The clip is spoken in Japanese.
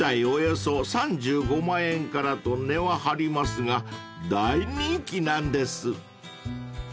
およそ３５万円からと値は張りますが大人気なんです］